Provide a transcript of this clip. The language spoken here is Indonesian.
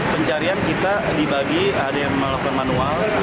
pencarian kita dibagi ada yang melakukan manual